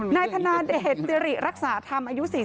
นายธนเดชน์เตรียริรักษาธรรมอายุ๔๗